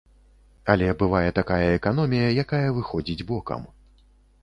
Але бывае такая эканомія, якая выходзіць бокам.